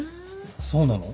そうなの？